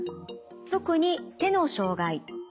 特に手の障害。